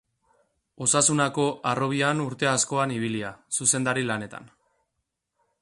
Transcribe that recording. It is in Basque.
Osasunako harrobian urte askoan ibilia, zuzendari lanetan.